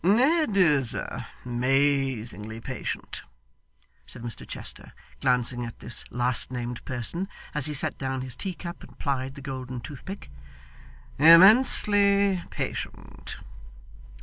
'Ned is amazingly patient!' said Mr Chester, glancing at this last named person as he set down his teacup and plied the golden toothpick, 'immensely patient!